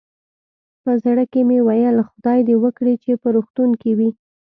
په زړه کې مې ویل، خدای دې وکړي چې په روغتون کې وي.